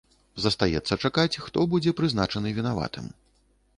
Застаецца чакаць, хто будзе прызначаны вінаватым.